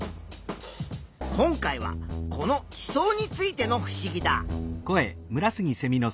今回はこの地層についてのふしぎだ。